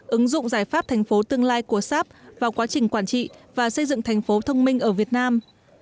ứng dụng giải pháp thành phố tương lai của shop vào quá trình quản trị và xây dựng thành phố thông minh ở việt nam